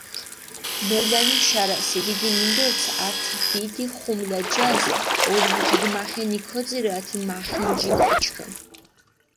მეულანი შარას, დიდი მინდორც ართი დიდი ხუმულა ჯას ობრი ქიგიმახენი, ქოძირჷ ათე მახინჯი კოჩქჷ.